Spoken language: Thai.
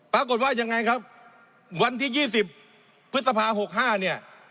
ปรากฏว่าอย่างไรครับวันที่ยี่สิบพฤษภาหกห้าเนี่ย